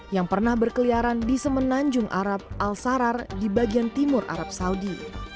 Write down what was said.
yang pernah berkeliaran di semenanjung arab al sarar di bagian timur arab saudi